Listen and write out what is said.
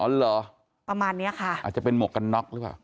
เหรอประมาณเนี้ยค่ะอาจจะเป็นหมวกกันน็อกหรือเปล่า